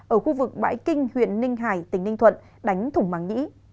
ở khu vực bãi kinh huyện ninh hải tỉnh ninh thuận đánh thủng màng nhĩ